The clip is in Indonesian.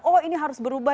oh ini harus berubah